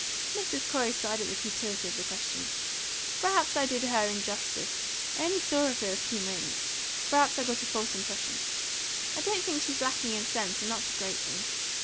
Mrs. Corey sighed at the futility of the question. "Perhaps I did her injustice. I only saw her a few moments. Perhaps I got a false impression. I don't think she's lacking in sense, and that's a great thing.